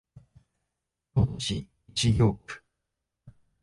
京都市西京区